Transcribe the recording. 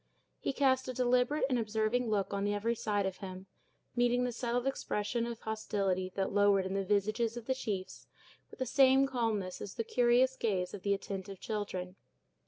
He cast a deliberate and observing look on every side of him, meeting the settled expression of hostility that lowered in the visages of the chiefs with the same calmness as the curious gaze of the attentive children.